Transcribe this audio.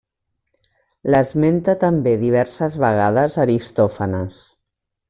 L'esmenta també diverses vegades Aristòfanes.